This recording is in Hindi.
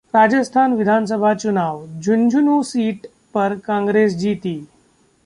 राजस्थान विधानसभा चुनाव: झुंझुनू सीट पर कांग्रेस जीती